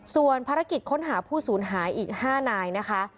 ส่วนภารกิจค้นหาผู้สูญหายอีก๕นายนะคะ